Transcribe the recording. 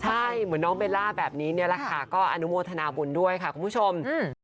ใช่เหมือนน้องเบลล่าแบบนี้เนี่ยแหละค่ะก็อนุโมทนาบุญด้วยค่ะคุณผู้ชม